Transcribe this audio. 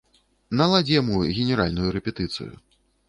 Наладзь яму генеральную рэпетыцыю.